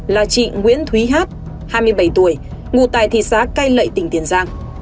là chị nguyễn thúy hát hai mươi bảy tuổi ngụ tại thị xá cây lệ tỉnh tiền giang